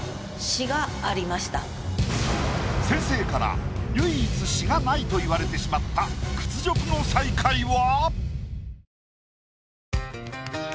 先生から「唯一詩がない」と言われてしまった屈辱の最下位は？